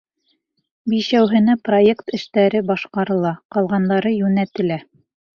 Бишәүһенә проект эштәре башҡарыла, ҡалғандары йүнәтелә.